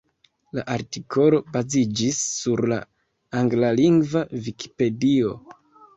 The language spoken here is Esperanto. La artikolo baziĝis sur la anglalingva Vikipedio.